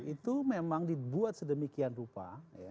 itu memang dibuat sedemikian rupa